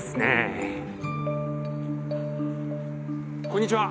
こんにちは。